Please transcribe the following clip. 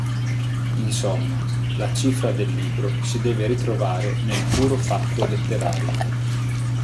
Insomma, la cifra del libro si deve ritrovare nel puro fatto letterario.